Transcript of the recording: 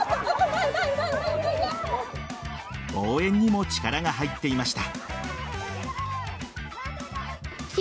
応援にも力が入っていました。